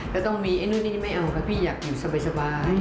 แล้วต้องมีไอ้นู่นนี้ไม่เอาก็พี่อยากอยู่สบาย